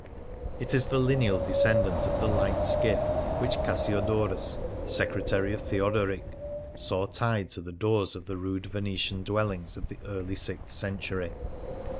It is the lineal descendant of the light skiff which Cassiodorus, secretary of Theodoric, saw tied to the doors of the rude Venetian dwellings of the early sixth century.